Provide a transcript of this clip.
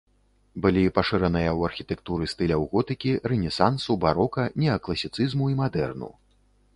Былі пашыраныя ў архітэктуры стыляў готыкі, рэнесансу, барока, неакласіцызму і мадэрну.